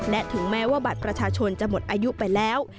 และถึงแม้ว่าบัตรประชาชนจะหมดอายุไปแล้ว